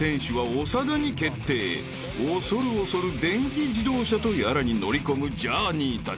［恐る恐る電気自動車とやらに乗り込むジャーニーたち］